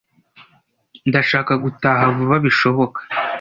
Ndashaka gutaha vuba bishoboka.